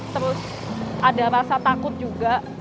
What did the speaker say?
terus ada rasa takut juga